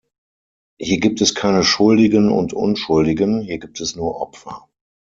Hier gibt es keine Schuldigen und Unschuldigen, hier gibt es nur Opfer.